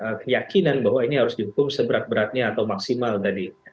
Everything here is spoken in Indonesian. ada keyakinan bahwa ini harus dihukum seberat beratnya atau maksimal tadi